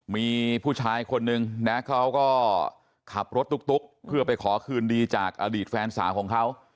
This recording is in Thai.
มีผู้ชายคนนึงนะเขาก็ขับรถตุ๊กเพื่อไปขอคืนดีจากอดีตแฟนสาวของเขา